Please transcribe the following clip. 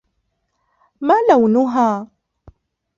مَا لَوْنُهَا ؟